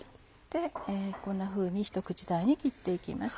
こんなふうにひと口大に切って行きます。